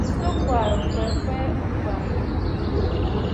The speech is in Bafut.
Ò sɨ̀ kwarə̀ ŋ̀kwɛɛ kwɛɛ, ò kwarə̀ m̀fu fu?